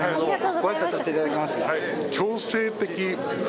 ご挨拶させていただきます。